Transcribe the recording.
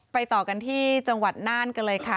ต่อกันที่จังหวัดน่านกันเลยค่ะ